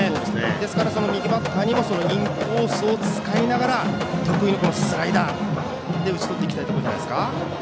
ですから、右バッターにもインコースを使いながら得意のスライダーで打ち取っていきたいところじゃないですか。